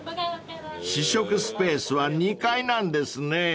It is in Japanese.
［試食スペースは２階なんですね］